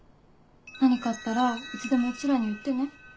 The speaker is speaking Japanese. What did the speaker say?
何かあったらいつでもうちらに言ってね。